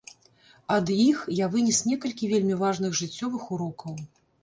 Ад іх я вынес некалькі вельмі важных жыццёвых урокаў.